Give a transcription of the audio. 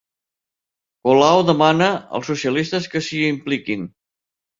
Colau demana als socialistes que s'hi impliquin.